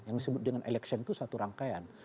yang disebut dengan election itu satu rangkaian